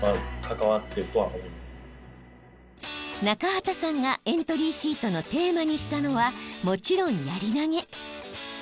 中畠さんがエントリーシートのテーマにしたのはもちろんやり投げ。